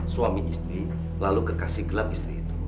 suami istri lalu kekasih gelap istri itu